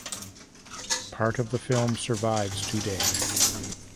Part of the film survives today.